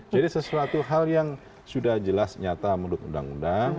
jadi sesuatu hal yang sudah jelas nyata menurut undang undang